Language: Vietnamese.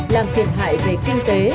làm thiệt hại về kinh tế